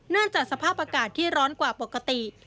จากสภาพอากาศที่ร้อนกว่าปกติ